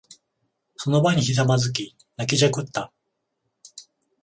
その場にひざまずき、泣きじゃくった。